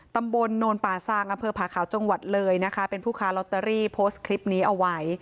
โนนป่าซางอำเภอผาขาวจังหวัดเลยนะคะเป็นผู้ค้าลอตเตอรี่โพสต์คลิปนี้เอาไว้